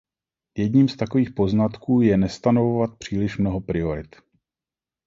Jedním z takových poznatků je nestanovovat příliš mnoho priorit.